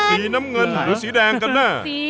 สีน้ำเงินหรือสีแดงกันแน่